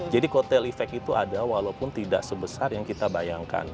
jadi go tail effect itu ada walaupun tidak sebesar yang kita bayangkan